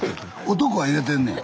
男は入れてんねや。